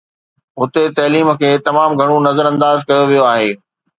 هتي تعليم کي تمام گهڻو نظرانداز ڪيو ويو آهي.